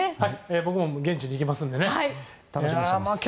僕も現地に行きますので楽しみにしています。